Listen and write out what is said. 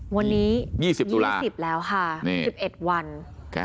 วันนี้๒๐แล้ว๑๖วัน